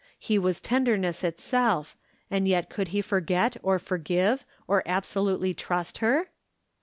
He was tenderness itself, and yet could he forget or forgive or absolutely trust her